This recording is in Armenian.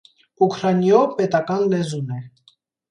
Ուքրանիոյ պետական լեզուն է։